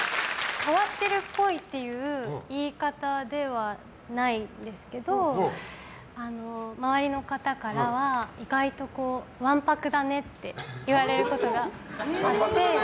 変わってるっぽいっていう言い方ではないですけど周りの方からは意外と、わんぱくだねって言われることがあって。